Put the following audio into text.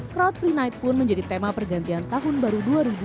crowd free night pun menjadi tema pergantian tahun baru dua ribu dua puluh